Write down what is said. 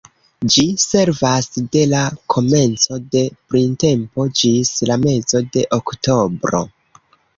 Ĝi servas de la komenco de printempo ĝis la mezo de oktobro.